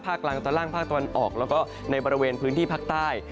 กลางตอนล่างภาคตะวันออกแล้วก็ในบริเวณพื้นที่ภาคใต้